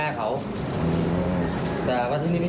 แต่ยอมรับว่าลูกสาวเขาหายตัวไป